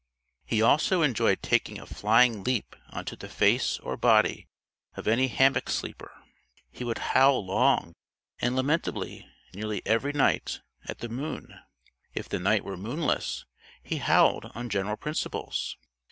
He also enjoyed taking a flying leap onto the face or body of any hammock sleeper. He would howl long and lamentably, nearly every night, at the moon. If the night were moonless, he howled on general principles.